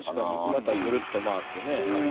またぐるっと回ってね。